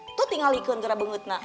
itu tinggal ikut kaya bengkutnya